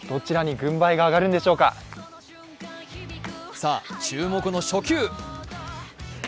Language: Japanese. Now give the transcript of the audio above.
さあ、注目の初球！